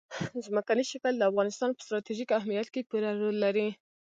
ځمکنی شکل د افغانستان په ستراتیژیک اهمیت کې پوره رول لري.